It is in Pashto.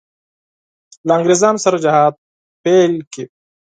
له انګرېزانو سره جهاد پیل کړي.